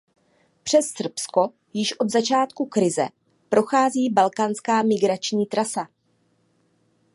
Přes Srbsko již od začátku krize prochází Balkánská migrační trasa.